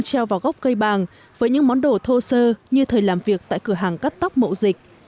treo vào gốc cây bàng với những món đồ thô sơ như thời làm việc tại cửa hàng cắt tóc mậu dịch